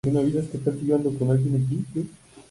Sin embargo no permaneció por mucho tiempo en la academia.